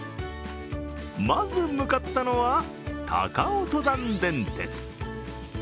まず向かったのは、高尾登山電鉄。